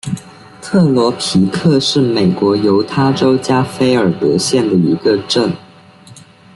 特罗皮克是美国犹他州加菲尔德县的一个镇。